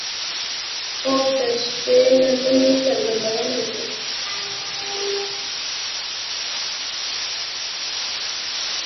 خوب د شپهنۍ مینې څرګندونه ده